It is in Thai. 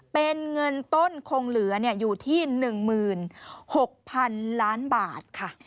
เป็นเงินต้นคงเหลืออยู่ที่๑๖๐๐๐ล้านบาทค่ะ